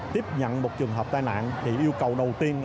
tiếp nhận một trường hợp tai nạn thì yêu cầu đầu tiên